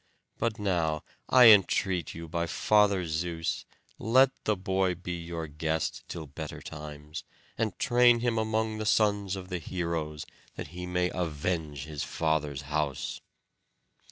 But now I entreat you by Father Zeus, let the boy be your guest till better times, and train him among the sons of the heroes, that he may avenge his father's house."